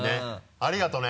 ありがとうね。